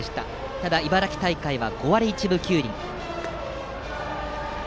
ただ、茨城大会は５割１分９厘。